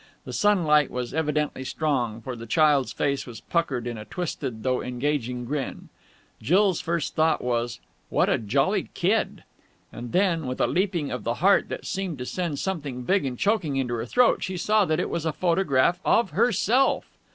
The sunlight was evidently strong, for the child's face was puckered in a twisted though engaging grin. Jill's first thought was "What a jolly kid!" And then, with a leaping of the heart that seemed to send something big and choking into her throat, she saw that it was a photograph of herself.